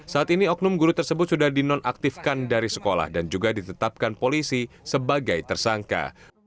saat ini oknum guru tersebut sudah dinonaktifkan dari sekolah dan juga ditetapkan polisi sebagai tersangka